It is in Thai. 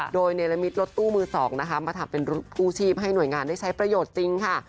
โดยเนรมิตรถตู้มือ๒นะคะมาทำเป็นกู้ชีพให้หน่วยงานได้ใช้ประโยชน์จริงค่ะ